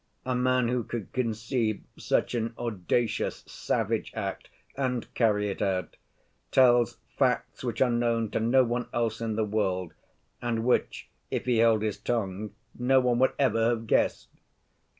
A man who could conceive such an audacious, savage act, and carry it out, tells facts which are known to no one else in the world, and which, if he held his tongue, no one would ever have guessed!